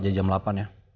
jam delapan ya